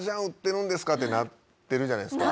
ってなってるじゃないですか。